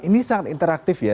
ini sangat interaktif ya